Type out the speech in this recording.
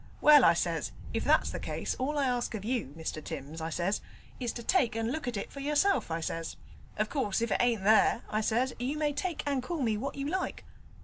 "Well," I says, "if that's the case, all I ask of you, Mr Timms," I says, "is to take and look at it for yourself," I says. "Of course if it ain't there," I says, "you may take and call me what you like."